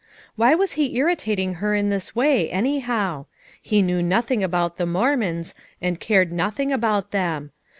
Why was he irritating her in this way, anyhow? He knew nothing ahont the Mormons, and cared nothing about them.